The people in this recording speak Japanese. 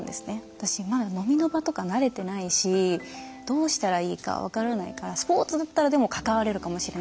私まだ飲みの場とか慣れてないしどうしたらいいか分からないからスポーツだったらでも関われるかもしれないと思って。